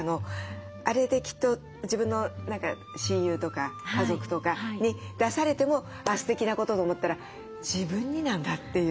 あれできっと自分の親友とか家族とかに出されてもあすてきなことと思ったら自分になんだっていう。